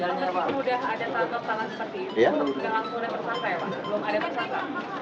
tentu sudah ada tangkap tangkap seperti itu yang langsungnya tersangka ya pak belum ada tersangka